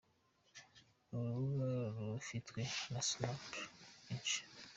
Uru rubuga rufitwe na Snap Inc.